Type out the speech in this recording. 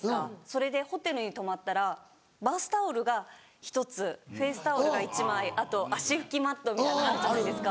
それでホテルに泊まったらバスタオルが１つフェースタオルが１枚あと足拭きマットみたいなのあるじゃないですか。